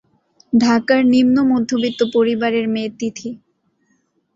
ঢাকার নিম্ন-মধ্যবিত্ত পরিবারের মেয়ে তিথি।